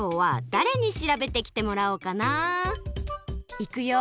いくよ！